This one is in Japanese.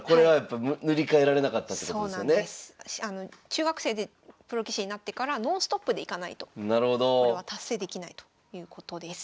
中学生でプロ棋士になってからノンストップでいかないとこれは達成できないということです。